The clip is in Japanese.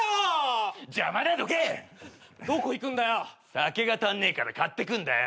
酒が足んねえから買ってくんだよ！